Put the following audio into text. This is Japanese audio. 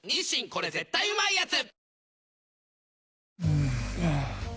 これ絶対うまいやつ」